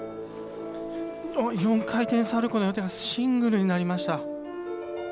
４回転サルコウの予定がシングルになりました。